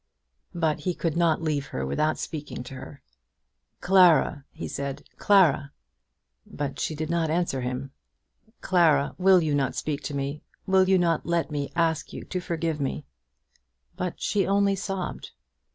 But he could not leave her without speaking to her. "Clara!" he said; "Clara." But she did not answer him. "Clara; will you not speak to me? Will you not let me ask you to forgive me?" But still she only sobbed.